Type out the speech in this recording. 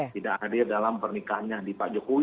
tidak hadir dalam pernikahannya di pak jokowi